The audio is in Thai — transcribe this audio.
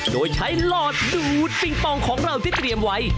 โดยใช้หลอดดูดปิงปองของเราที่เตรียมไว้